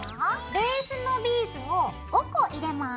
ベースのビーズを５個入れます。